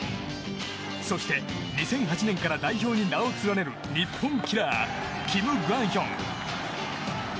そして、２００８年から代表に名を連ねる日本キラーキム・グァンヒョン。